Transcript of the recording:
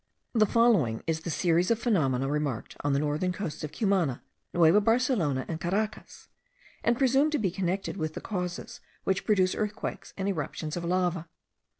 The following is the series of phenomena remarked on the northern coasts of Cumana, Nueva Barcelona, and Caracas; and presumed to be connected with the causes which produce earthquakes and eruptions of lava.